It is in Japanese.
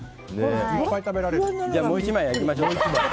もう１枚焼きましょうか。